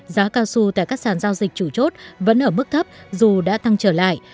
giá cao su tại các sàn giao dịch chủ chốt vẫn ở mức thấp dù đã tăng trở lại